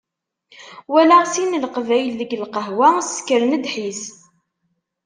Walaɣ sin n Leqbayel deg lqahwa ssekren ddḥis.